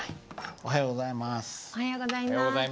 おはようございます。